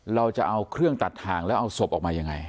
เราจะเอาเครื่องตัดทางแล้วเอาศพออกมายังไง